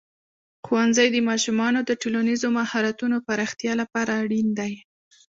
ښوونځی د ماشومانو د ټولنیزو مهارتونو پراختیا لپاره اړین دی.